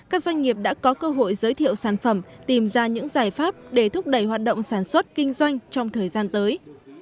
các doanh nghiệp đã có cơ hội giới thiệu sản phẩm tìm ra những giải pháp để thúc đẩy hoạt động sản xuất kinh doanh trong thời gian tới